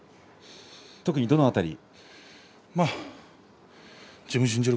特にどの辺り？